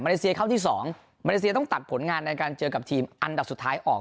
เลเซียเข้าที่สองมาเลเซียต้องตัดผลงานในการเจอกับทีมอันดับสุดท้ายออก